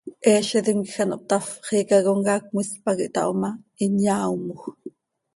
Heezitim quij ano hptafp, xiica comcaac cmis pac ihtaho ma, hin yaaomoj.